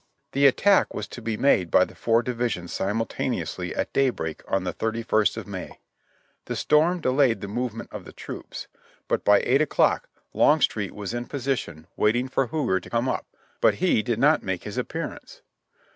The attack was to be made by the four divisions simultaneously at day break on the 31st of May. The storm delayed the move ment of the troops, but by eight o'clock Longstreet was in posi 128 JOHNNY REB AND BILI^Y YANK tioii waiting for Huger to come up, but he did not make his appearance.